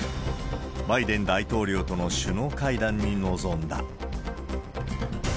バイデン大統領との首脳会談に臨んだ。